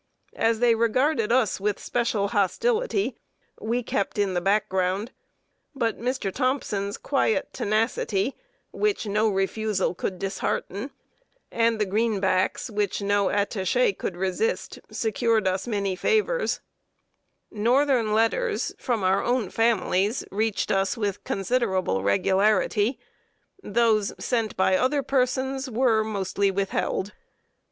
As they regarded us with special hostility, we kept in the back ground; but Mr. Thompson's quiet tenacity, which no refusal could dishearten, and the "greenbacks" which no attaché could resist, secured us many favors. [Sidenote: STEALING FROM FLAG OF TRUCE LETTERS.] Northern letters from our own families reached us with considerable regularity. Those sent by other persons were mostly withheld.